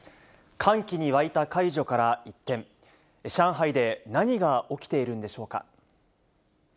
歓喜に沸いた解除から一転、上海で何が起きているんでしょう